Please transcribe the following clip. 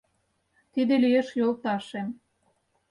Тиде лиеш йолташем.